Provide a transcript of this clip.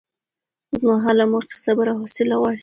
اوږدمهاله موخې صبر او حوصله غواړي.